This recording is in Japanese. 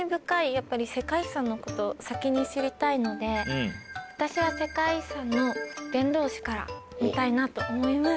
やっぱり世界遺産のこと先に知りたいので「私は世界遺産の伝道師」から見たいなと思います。